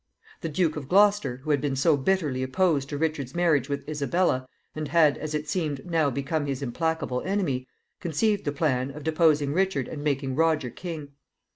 The Duke of Gloucester, who had been so bitterly opposed to Richard's marriage with Isabella, and had, as it seemed, now become his implacable enemy, conceived the plan of deposing Richard and making Roger king.